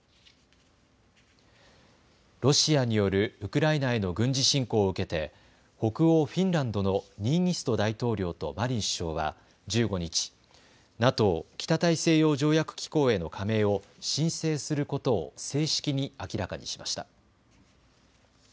ロシアによるウクライナへの軍事侵攻を受けて北欧フィンランドのニーニスト大統領とマリン首相は１５日、ＮＡＴＯ・北大西洋条約機構への加盟を申請することを正式に明らかにしました。